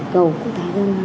cầu quốc thái dân